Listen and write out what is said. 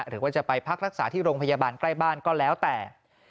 หรือว่าจะไปพักรักษาที่โรงพยาบาลใกล้บ้านก็แล้วแต่